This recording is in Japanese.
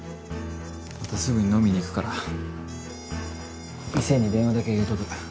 またすぐに飲みに行くから店に電話だけ入れとく。